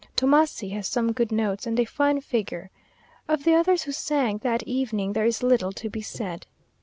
Tomassi has some good notes, and a fine figure. Of the others who sang that evening there is little to be said.